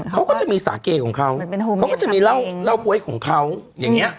เขาก็จะมีสาเกของเขาเขาก็จะมีเหล้าบ๊วยของเขาอย่างเงี้ย